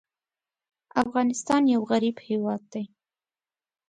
افغانستان یو غریب هېواد دی.